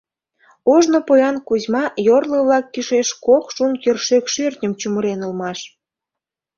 Ожно поян Кузьма йорло-влак кӱшеш кок шун кӧршӧк шӧртньым чумырен улмаш.